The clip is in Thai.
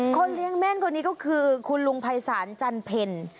เลี้ยงแม่นคนนี้ก็คือคุณลุงภัยศาลจันเพ็ญ